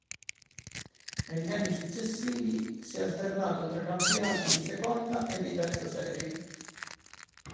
Negli anni successivi si è alternato tra campionati di seconda e di terza serie.